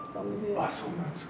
あそうなんですか。